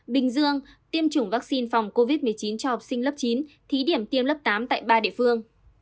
bình dương tiêm chủng vaccine phòng covid một mươi chín cho học sinh lớp chín thí điểm tiêm lớp tám tại ba địa phương